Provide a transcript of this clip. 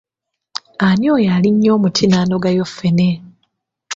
Ani oyo alinnye omuti n’anogayo ffene?